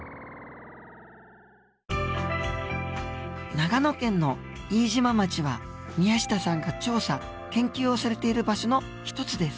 長野県の飯島町は宮下さんが調査研究をされている場所の一つです。